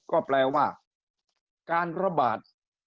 ก็แปลว่าการระบาด